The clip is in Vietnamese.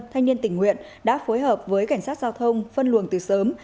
thanh niên tình nguyện đã phối hợp với cảnh sát giao thông phân luồng từ sớm